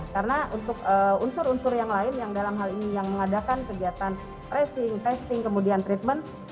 karena untuk unsur unsur yang lain yang dalam hal ini yang mengadakan kegiatan tracing testing kemudian treatment